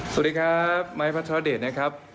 สวัสดีครับไม้พัทรเดชนะครับ